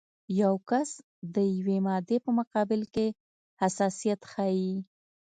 یو کس د یوې مادې په مقابل کې حساسیت ښیي.